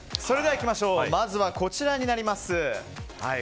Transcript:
まずはこちらになります。